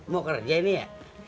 mau kerjaan ya